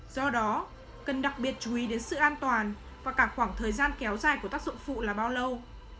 do đó cần đặc biệt chú ý đến sự an toàn và cả khoảng thời gian kéo dài của tác dụng phụ là bao lâu